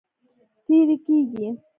تېری کیږي.